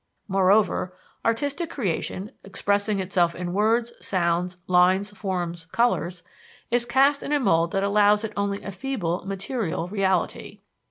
Moreover, artistic creation, expressing itself in words, sounds, lines, forms, colors, is cast in a mould that allows it only a feeble "material" reality.